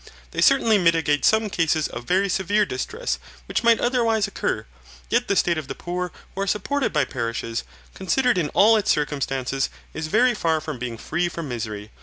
They certainly mitigate some cases of very severe distress which might otherwise occur, yet the state of the poor who are supported by parishes, considered in all its circumstances, is very far from being free from misery.